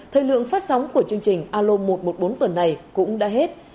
thời lượng phát sóng của chương trình alo một trăm một mươi bốn tuần này cũng đã hết